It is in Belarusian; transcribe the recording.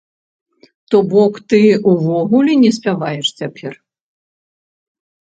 То бок ты ўвогуле не спяваеш цяпер?